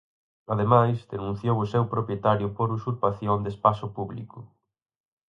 Ademais, denunciou o seu propietario por usurpación de espazo público.